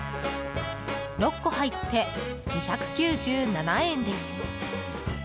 ６個入って、２９７円です。